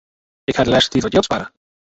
Ik haw de lêste tiid wat jild sparre.